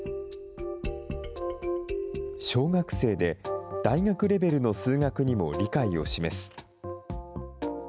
小学生で大学レベルの数学にも理解を示す。